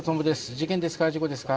事件ですか？